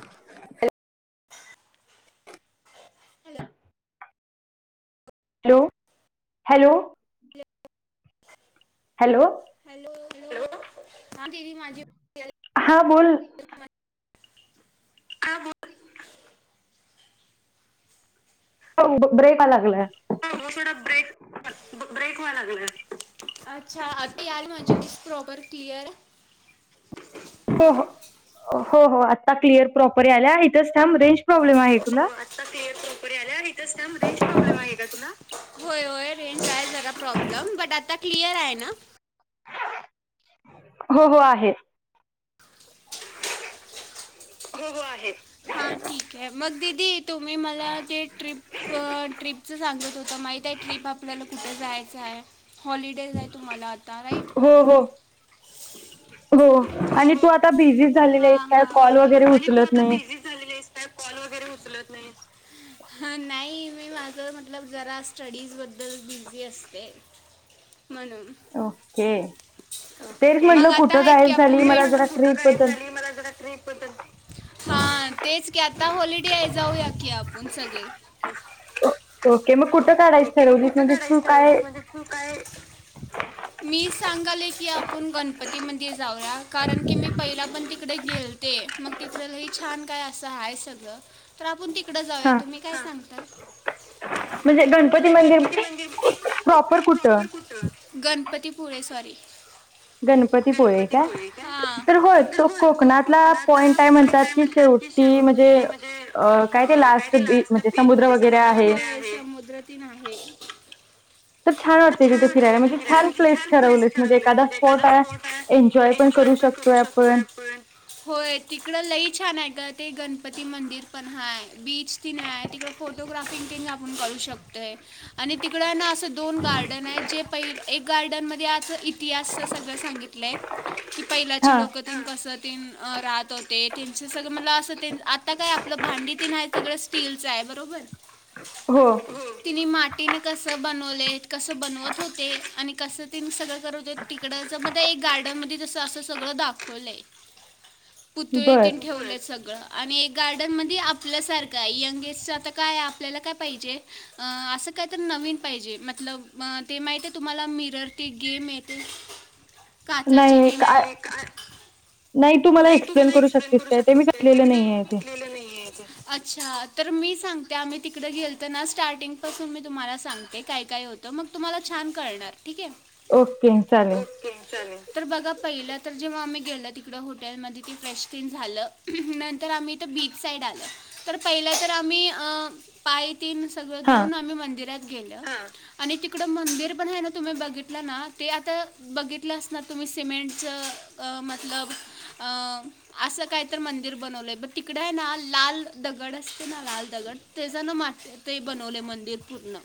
Hello''--'' hello hello, क [inaudible] hello, hello hello हा, दिदी माझी. ''हां'' बोल. का बो''--'' [inaudible] ब्रेका लागलाय ना, हो मॅडम ब्रेक, ब्रेक व्हाय लागलाय. अच्छा ती [unintelligible] [unintelligible] [unintelligible] हो हो हो हो आता क्लिअर प्रॉपरी आल्या इथच थांब रेंज प्रॉब्लेम आहे हो, तुला? आता क्लिअर प्रॉपरी आल्या, इथच थांब रेंज आहे प्रॉब्लेम आहे का तुला? होय होय रेंज आहे जरा प्रॉब्लेम बट आता क्लिअर आहे ना? हो, हो आहे. हो-हो आहे. हा ठीक हाय मग दिदी तुम्ही मला, ते ट्रीप-ट्रीप अस सांगत होता, माहीत ट्रीप आपल्याला कुठ जायाचं हाय. हॉलिडेज हाय तुम्हाला आता राईट. हो हो हो हो आणि तू हो आता बिझी झालेली हा हायसं का? हा हो कॉल वगैरे आणि तू उचलत आता नाहीस बिझी झालेली आहेस काय कॉल वगैरे उचलत नाहीस? ह नाही, मी माझ मतलब जरा स्टडीज बद्दल बिझी असते. म्हणून. ओके. तेच म्हटलं कुठं गायब ओके झाली तेज मला जरा म्हणल कुठ ट्रीप गायब बद्दल झाली मला जरा ट्रीप बदल मग आता आहेत की आप हा तेच की आता हॉलिडे आहे, जाऊया की आपण आप आपुन सगळे. ओके मग कुठं काढायस ठरवलीस म्हणजे तू काय? ह काय? मी सांगाले की आपण गणपतीमध्ये जाऊया, कारण की मी पहिला पण तिकडे गेल ते मग तिकड लय छान काय असं हाय सगळं. तर आपुण तिकडं जाऊया, हा तुम्ही काय सांगताय? म्हणजे गणपती म्हणजे प्रॉपर कुठं? गणपतीपुळे सॉरी. गणपतीपुळे का तर हो तो कोकणातला पॉईंट हाय. म्हणतात की शेवटी म्हजे अ. अ काय दिलं आज [unintelligible] बी म्हणजे समुद्र वगैरे आहे, समुद्रतीन आहे. तर छान वाटतय तिथे फिरायला म्हणजे छान प्लेस ठरवलीस, म्हणजे एखादा स्पॉर्ट आ एन्जॉय पण करू शकतोय आपण. होय. तिकडं लई छान हाय ग ते गणपती मंदिर पण हाय बीच तिन हाय तिकड फोटोग्राफिंग ती फोन करू शकतय आणि तिकडं ना असं दोन गार्डन आहे जे पहि एक गार्डनमध्ये आस इतिहास सगळं सांगितलंय की हा पहिलाची लोक कसतीन राहत. तर ते त्यांच सगळं मला असं तेन आता काय आपलं भांडीतीन आहे सगळं स्टीलचं आहे बरोबर? [unintelligible] हो तिने मातीने कस बनवलेत कसं बनवत होते आणि कस ते मी सगळं करवते तिकडचं, मग त्या एक गार्डन मध्ये जसं असं सगळं दाखवलंय. बर पुतळेतीन ठेवलेत सगळं. आणि एक गार्डनमध्ये आपल्यासारखं हाय यंगेस्ट आता काय आपल्याला काय पाहिजे? अ असं काय तर नवीन पाहिजे, मतलब ते माहित हाय, तुम्हाला मिरर ते गेम येते. काचाची नाही गेम काय हाय [unintelligible] नाही तू मला एक्सप्लेन करू शकतेस, काय ते मी [unintelligible] नाही आहे ते. अच्छा तर मी सांगते आम्ही तिकडें गेलत ना स्टार्टिंग पासून मी तुम्हाला सांगते काय काय होत. तर, मग तुम्हाला छान कळणार ठीक आहे. ओके चालेल. [unintelligible] तर बघा पहिला तर जेव्हा आम्ही गेल तिकड हटेल म ते फ्रेश तीन [unintelligible] झालं नंतर आम्ही इथं बीच साईड आलं. तर पहिलं तर आम्ही अ पाय तीन सगळं हा दुऊन आम्ही मंदिरात गेल. आणि तिकडं मंदिर पण आहे ना तुम्ही बघितलं ना ते आता बघितलं असणार तुम्ही सिमेंटच. अ मतलब अ असं काय तर मंदिर बनवलं आहे ब तिकडं आहे ना लाल दगड अस ना लाल दगड तेज ना मा ते बनवले मंदिर पूर्ण.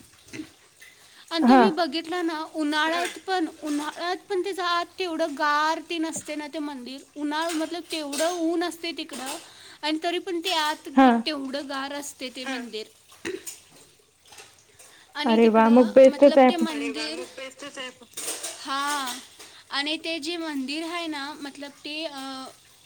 आणि हा तुम्ही बघितला ना उन्हाळ्यात पण उन्हाळ्यात पण त्याचं आत तेवढं गार तेन अस्त ना ते मंदिर. उन्हाळ मतलब तेवढं ऊन असते तिकडं आणि तरी पण ते आत हा घे तेवढं गार असतय ते मंदिर. आणि अरे वा मग तिकडं बेस्टच मतलब आहे. ते मन. [unintelligible] [inaudible] हा आणि ते जे मंदिर आहे ना मतलब ते अ [unintelligible]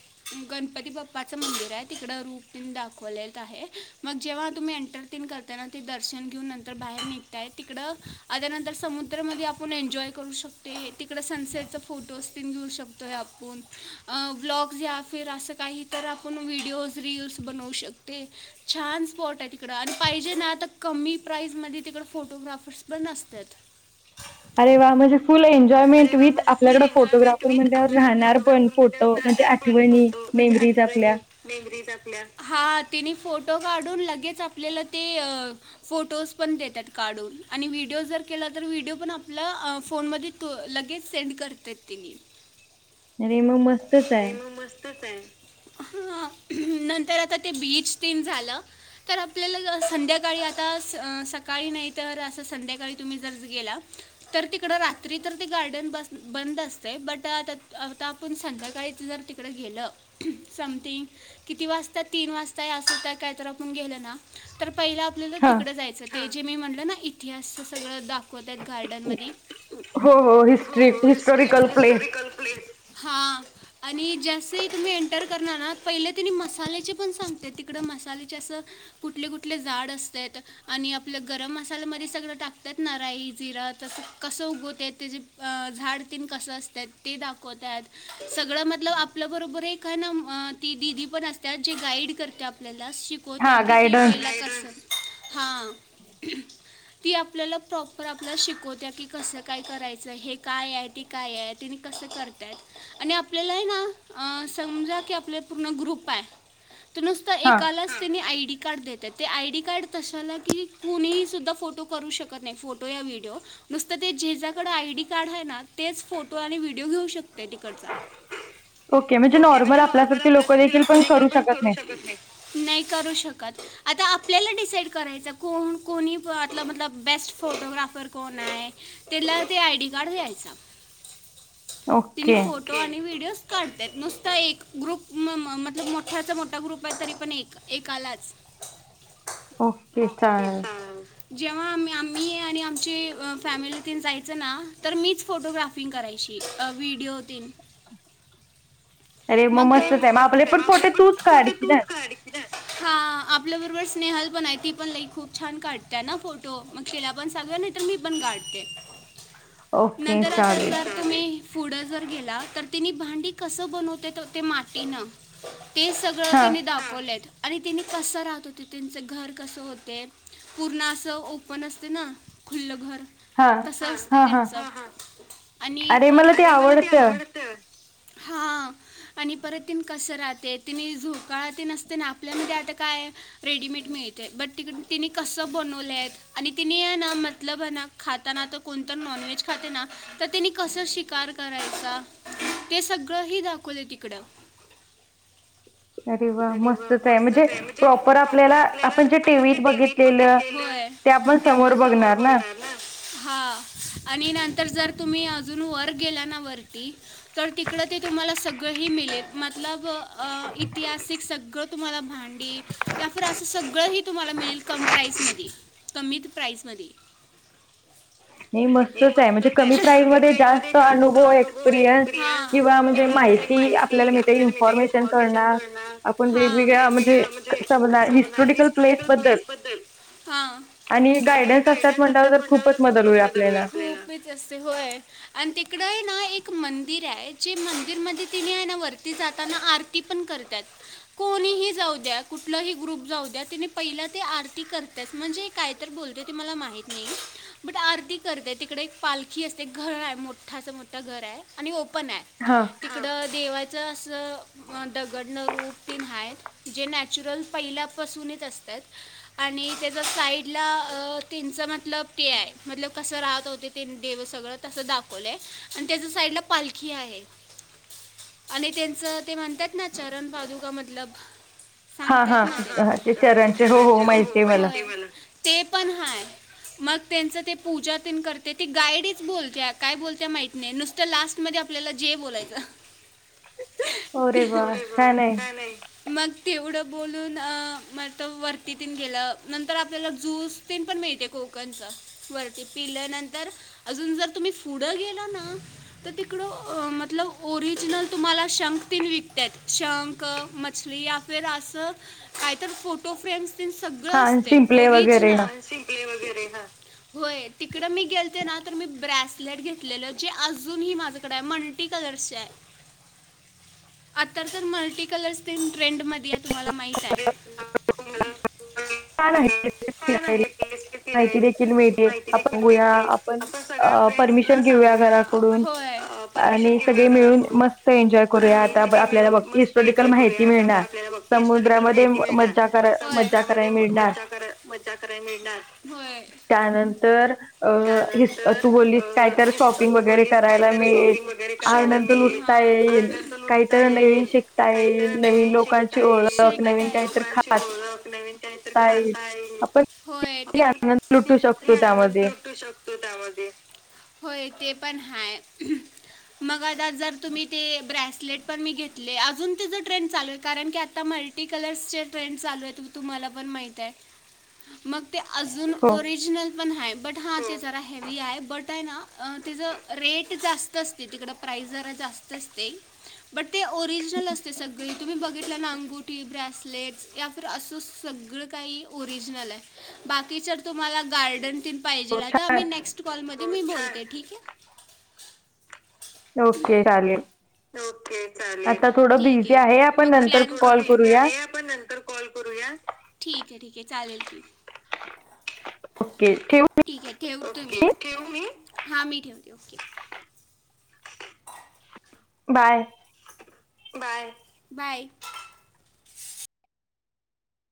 गणपती बाप्पाचं मंदिर आहे तिकड रूप तन दाखवलेत आहे. मग जेव्हा तुम्ही एंटरटिन करतायना ते दर्शन घेऊन नंतर बाहेर निघताय तिकडं आ त्यानंतर समुद्रामध्ये आपण एन्जॉय करू शकतेय तिकडं सनसेटचा फोटोज त घेऊ शकतो आहे आपून. ब्लॉग्स या फिर असं काहीतर आपण व्हिडिओज रीलस बनवू शकते. छान स्पॉट आहे त. तिकडं आणि पाहिजे ना आता कमी प्राईजमध्ये तिकडं फोटोग्राफर्स पण अस्त्यात. अरे वा म्हणजे फुल एंज एन्जॉयमेंट अरे वा विथ म्हणजे फुल आपल्याकडे एन्जॉयमेंट फोटोग्राफर विथ म्हणल्यावर आपल्याकडे राहणार पण फोटोग्राफर फोटो म्हणजे राहणार आठवणी. मेमरीज आपल्या. [inaudible] तल्या हा तिने फोटो काढून लगेच आपल्याला ते. फोटोज पण देतात काढून आणि व्हिडिओ जर केला तर व्हिडिओ पण आपला अ फोनमध्ये तू लगेच सेंड करतेत तेनी. अरे मग मस्तच आहे. मस्तच आहे. ह [unintelligible] नंतर आता ते बीच तेन झालं. तर आपल्याला संध्याकाळी आता स अं सकाळी नाही तर असं संध्याकाळी तुम्ही जर गेला. तर तिकडं रा तरी तर ते गार्डन बस बंद असते बट आता आता आपण संध्याकाळीच जर तिकड गेलं. समथिंग किती वाजता तीन वाजता अस तर काय तर आपण गेलं ना तर पहिला आपल्याला हां. तिकडं जायचं ते जे मी म्हणलं ना इतिहास सगळं दाखवतात गार्डन मधी. हो हो हिस्ट्री हिस्टॉरिकल प्लेस. [unintelligible] प्लेस हा. आणि जस् तुम्ही एंटर करणार ना पहिले तिने मसाल्याचे पण सांगते तिकडं मसाल्याचे असं. कुठले कुठले झाड असतेत. आणि आपलं गरम मसाल्यामध्ये सगळं टाकतात ना राई जिरा तसं कसं उगवतेत. त्याचे अं झाड तीन कसं असतात ते दाखवत्यात. सगळं मधलं आपल्या बरोबर एक आहे ना अं ती दिदी पण असत्या जे गाईड कर. त्या आपल्याला शिकवत्या हां, की ते [unintelligible] गाईडन्स. पहिल कसं. हा ती आपल्याला प्रॉपर आपल्या शिकवत्या की कस काय. करायचं हे काय आहे ते काय आहे तिने कसं करतायत. आणि आपल्याला आहे ना समजा की आपल्या पूर्ण ग्रुप आहे. तर नुसता हां. एकालाच त्यानी आयडी कार्ड दे. तात तर ते आय डी कार्ड तशाला की कुणीही सुुद्धा फोटो करू शकत नाही फोटो या व्हिडिओ. नुसतं ते जे ज्याकडे आयडी कार्ड आहे ना तेच फोटो आणि व्हिडिओ घेऊ शकतो. ते तिकडचा. ओके म्हणजे नॉर्मल आपल्यासारखे लोक देखील पण करू शकत नाही नाही करू शकत. आता आपल्याला डिसाईड करायच, कोण कोणी या मधलं बेस्ट फोटोग्राफर कोण आहे. त्याला ते आय डी कार्ड द्यायचा तिने ओके. फोट टो आणि व्हिडिओज काढतेत नुसता एक ग्रुप म मतलब मोठ्याचा मोठा ग्रुप आहे तरी पण एक. एकालाच. ओके चालेल, जेव्हा आम्ही आम्ही आणि आमचे फॅमिली. जायचं ना तर मीच फोटोग्राफिंग करायची व्हिडिओ तिनं. अरे मग मस्तच आहे मग आपले पण फोटो तूच काढशील ना [inaudible] [unintelligible] हा आपल्या बरोबर स्नेहल पण आहे ती पण लई खूप छान काढत्या ना फोटो मग तिला पण सांगुया ना. तर मी पण काढते ओके. नंतर आता चालेल. जर तुम्ही. पुढं जर गेला तर तेनी भांडी कसं बनवतेत ते मातीन ते सग. सगळं हां, तिने दाखवलेत आणि तिने कसं राहत होते त्यांच घर कसं होते. पूर्ण असं ओपन असत ना खुलं घर. हां. तस असत हां, हां. त्यांच आणि परत अरे मला ते आवडत हा आणि परत तिने कसं राहते तिने झोकाळा तेन असत ना आपल्यामध्ये आता काय आहे. रेडीमेड मिळते. बट तिकड तिने कसं बनवलेत. आणि तिने ना मतलब आहे ना खाताना तर कोणतर नॉन व्हेज खाते ना. तर त्यांनी कसं शिकार करायचा ते सगळं ही दाखवले तिकडं अरे वा मस्तच आहे म्हणजे प्रॉपर आपल्याला आपण जे टीव्हीत बघितलेलं. ते आपण समोर बघणार ना. हा आणि नंतर जर तुम्ही अजून वर गेला ना वरती तर तिकडं ते तुम्हाला सगळंही मिळेल मतलब अ इतिहासिक सगळं तुम्हाला भांडी त्या असं सगळं ह तुम्हाला मिळेल कम प्राईस म कमी प्राईसमध्ये नाही हह [unintelligible] मस्तच मस्त म्हणजे आहे पण कमी प्राईस मध्ये जास्त अनुभव एक्सपिरियन्स एक्सप्रेन्स किंवा म्हणजे माहिती आपल्याला मिळते मा्मेश इन्फॉर्मेशन कळणार आपण वेगवेगळ्या म्हणजे समजणार वण [unintelligible] हिस्टोरिकल प्लेस बद्दल हा. आणि गायडन्स असतात म्हटल्यावर जर खूपच. [unintelligible] [unintelligible] मदत होईल आपल्याला होय आणि तिकड ना एक मंदिर आहे जे मंदिरमध्ये तिनी आहे ना वरती जाताना आरती पण करतात, कोणीही जाऊ द्या कुठलाही ग्रुप जाऊ द्या तने पहिला ते आरती कर त्याच म्हणजे काय तर बोलते, ते मला माहित नाही बट आरती करते तिकडे एक पालखी असते घर आहे मोठा अस मोठं घर आहे आणि ओपन आहे, हा. देवाचं असं, दगडणं रूप तीन हायत. जे नॅचरल पहिल्यापसूनच असतात. आणि त्याचा साईडला तेच मतलब ते हाय, मतलब कसं राहत होते. देव सगळं तसं दाखवलंय आणि त्याच्या साईडला पालखी आहे. आणि त्येचं ते म्हणतात ना, चरण पादुका मतलब. हा सांगत्यात हा ना, घ, हा ते घराच्या चरणचे हो हो शेजारचे होम माहिती आहे हाय ते माहितीय मला. ते पण हाय. मग त्यांच ते पूजा तेन करते, ती गाईडीच बोलत्या काय बोलत्या माहित नाही नुसत तर लास्ट मध्ये आपल्याला जे बोलायच. जे, वा अरे बा छान आहे काय नाही. मग तेवढं बोलून, मग त वरतीतेन गेलं नंतर आपल्याला जूस पिन पण मिळते कोकणच, वरती पिल्यानंतर अजून जर तुम्ही पुढं गेला ना, तर तिकडं मतलब ओरिजिनल तुम्हाला शंख तेन विकत्यात, शंख, मछली या फिर असं कायतर फोटो फ्रेम्स तेन सगळं हा असतय शिंपले वगैरे हा, ओरिजनल. शिपले वगैरे ह. होय, तिकड मी गेलते ना तर मी ब्रेसलेट घेतलेलं, जे अजूनही माझ्याकड हाय. मल्टी कलर आता तर मल्टी कलर्स तेन ट्रेंड मध्ये पिया तुम्हाला माहित हाय. [unintelligible] फि असते माहिती फिरायला, देखील मिळते माहिती आपण देखील बघूया मिळते. आपण सगळ्या अ फ्रेंडसना परमिशन घेऊया सांगूया. घराकडून होय. परमिशन आणि घेऊया सगळे मिळून घराकडून मस्त एन्जॉय करूया, आणि आता सगळे आपल्याला मिळून बघ मस्त हिस्टॉटीकल एन्जॉय माहिती करूया आता आप- मिळणार. आपल्याला हिस्टॉरिकल समुद्रामध्ये माहिती मिळणार मज्जा करा, होय. मज्जा क समुद्रामध्ये म मज्जा, मज्जा कराय मिळणार. त्यानंतर अ हिस त्यानंतर तू बोललीस काय तर अ, तू बोललीस काय तर शॉपिंग वगैरे करायला आनंत मिळेल लुठता हा. येईल, आनंद लुटता काहीतर नवीन येईल शिकता काहीतरी येईल, नवीन लोकांन ओळख, नवीन काहीतर खात ल नवीन काहीतर खाता येईल, होय. आपण आनंद लुटू किती शकतो आनंद त्यामध्ये लुटू शकतो त्या मध्ये. होय ते पण हाय. मग आता जर तुम्ही ते ब्रेसलेट पण मी घेतले, अजून तिचं ट्रेंड चालू हाय. कारण की आता मल्ट टी कलर्सचे ट्रेंड चालू आहेत, तुम्हाला पण माहित हाय. मग ते अजून हो ओरिजनल पण हाय. बट हा ते जरा हेवी हाय. बट आहे ना तेज रेट जास्तच तिकडं प्राईज जरा जास्त असते, बट ते ओरिजनल असतय सगळं. तुम्ही बघितलं ना अंगुठी ब्रेसलेट्स या फिर असं सगळं काही ओरिजनल हाय. बाकीच तुम्हाला गार्डन तेन हो पाहिजेलं हाय, तर आम्ही छान नेक्स्ट कॉल मध्ये मी बोलते ठीक हाय. ओके चालेल. ओके चालेल आता थोडं ठीक बिझी आहे, आपण नंतर कॉल करूया. पण नंतर कॉल करूया, ठीक आहे ठीक चालेल कि. ओके, ठेव. ठेव तुम्ही, ठेऊ मी? हा मी ठेवते. Okay bye. बाय. बाय.